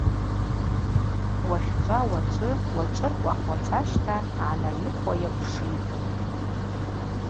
Уахьчӏва – уачӏвы, уачӏвыркӏвах – уачӏващта гӏанарихуа йакӏвшитӏ.